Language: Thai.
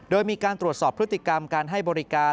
โดยมีการตรวจสอบพฤติกรรมการให้บริการ